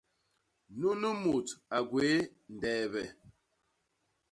Nunu mut a gwéé ndeebe.